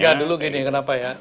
ya dulu gini kenapa ya